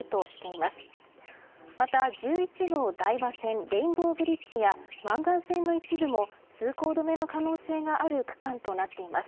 また１１号台場線レインボーブリッジや湾岸線の一部も通行止めの可能性がある区間となっています。